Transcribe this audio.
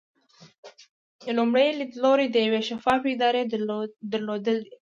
لومړی لیدلوری د یوې شفافې ادارې درلودل دي.